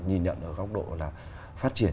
nhìn nhận ở góc độ là phát triển